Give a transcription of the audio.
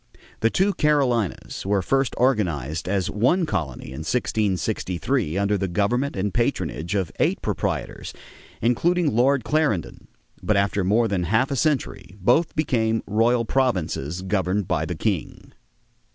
The two Carolinas were first organized as one colony in 1663 under the government and patronage of eight proprietors, including Lord Clarendon; but after more than half a century both became royal provinces governed by the king.